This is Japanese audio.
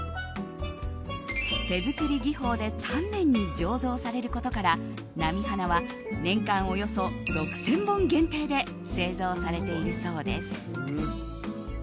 手造り技法で丹念に醸造されることから波花は年間およそ６０００本限定で製造されているそうです。